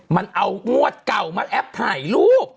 มันเอางวดเก่ามาแอปถ่ายรูป